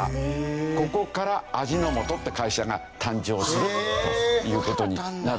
ここから味の素って会社が誕生するという事になるわけですけどね。